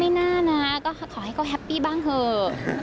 น่านะก็ขอให้เขาแฮปปี้บ้างเถอะ